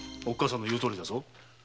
おっかさんの言うとおりだぞ。